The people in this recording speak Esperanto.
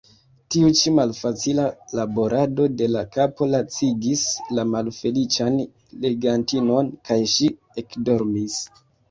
Tiu ĉi malfacila laborado de la kapo lacigis la malfeliĉan legantinon, kaj ŝi ekdormis.